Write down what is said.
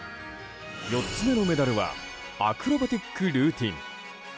４つ目のメダルはアクロバティックルーティン。